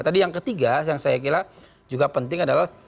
tadi yang ketiga yang saya kira juga penting adalah